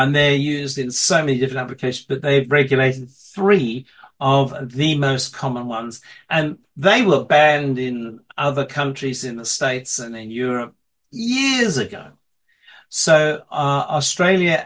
jadi australia tidak beraktif di tempat tempat yang dekat dengan cepat